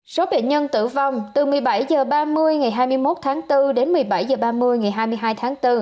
số bệnh nhân tử vong từ một mươi bảy h ba mươi ngày hai mươi một tháng bốn đến một mươi bảy h ba mươi ngày hai mươi hai tháng bốn